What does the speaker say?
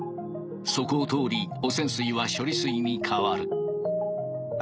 そこを通り汚染水は処理水に変わる。